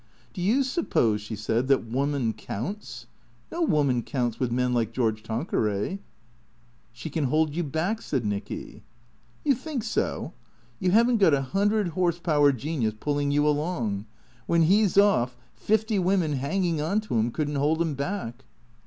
" Do you suppose," she said, " that woman counts? No woman counts with men like George Tan queray." " She can hold you back," said Nicky. "You think so? You haven't got a hundred horse power genius pulling you along. When he 's off, fifty women hanging on to him could n't hold him back."